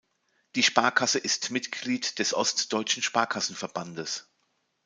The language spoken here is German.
Die Sparkasse ist Mitglied des Ostdeutschen Sparkassenverbandes.